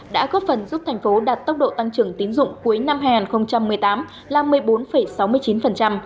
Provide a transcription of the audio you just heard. đã góp phần giúp thành phố đạt tốc độ tăng trưởng tín dụng cuối năm hai nghìn một mươi tám là một mươi bốn sáu mươi chín